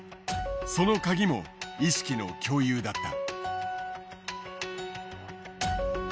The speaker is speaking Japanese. そのカギも意識の共有だった。